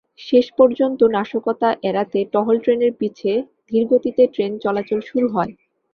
শেষ পর্যন্ত নাশকতা এড়াতে টহল ট্রেনের পিছে ধীরগতিতে ট্রেন চলাচল শুরু হয়।